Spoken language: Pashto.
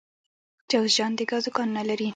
جوزجان د ګازو کانونه لري